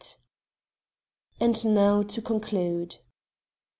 And now to conclude.